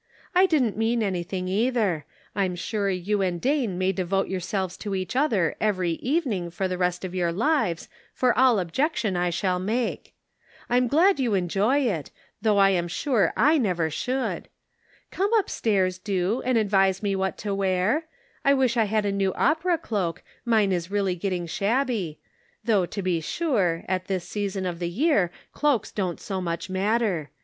I didn't mean anything either ; I'm sure you and Dane may devote yourselves to each other every evening for the rest of your lives, for all objection I shall make. I'm glad you enjoy it; though I am sure I never should. Come Conflicting Duties. 209 up stairs, do, and advise me what to wear. I wish I had a new opera cloak, mine is really getting shabby ; though to be sure, at this season of the year cloaks don't so much matter.